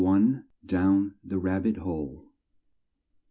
DOWN THE RAB BIT HOLE.